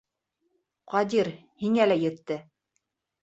Ҡадир, һиңә лә етте!